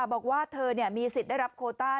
บอกว่าเธอมีสิทธิ์ได้รับโคต้า